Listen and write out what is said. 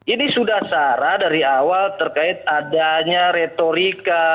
ini sudah sarah dari awal terkait adanya retorika